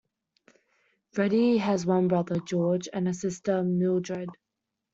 Freddie has one brother, George, and a sister, Mildred.